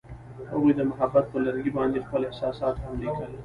هغوی د محبت پر لرګي باندې خپل احساسات هم لیکل.